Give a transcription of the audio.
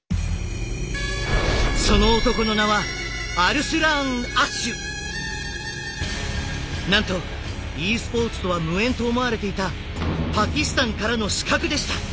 その男の名はなんとｅスポーツとは無縁と思われていたパキスタンからの刺客でした。